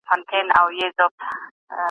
د هیواد د اقتصاد په اړه مونوګراف ولیکه.